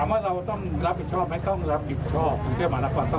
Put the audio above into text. ตรงเกียรติมาละก่อนต้องรับผิดชอบ